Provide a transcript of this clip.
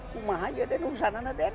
kuma aja den usah nana den